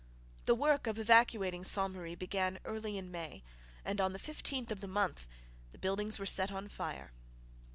The work of evacuating Ste Marie began early in May, and on the 15th of the month the buildings were set on fire.